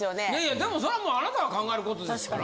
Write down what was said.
でもそれはあなたが考えることですから。